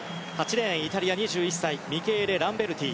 ８レーン、イタリアの２１歳ミケーレ・ランベルティ。